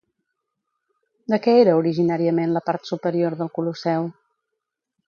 De què era originàriament la part superior del Colosseu?